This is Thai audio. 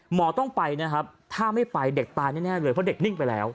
หมอต้องไปนะครับถ้าไม่ไปเด็กตายแน่เลยเพราะเด็กนิ่งไปแล้ว